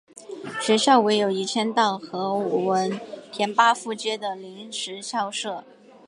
学校唯有迁移到何文田巴富街的临时校舍。